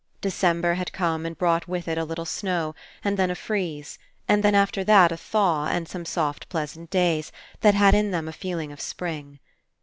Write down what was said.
December had come and brought with it a httle snow and then a freeze and after that a thaw and some soft pleasant days that had in them a feeling of spring.